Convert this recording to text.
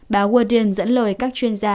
báo guardian dẫn lời các chuyên gia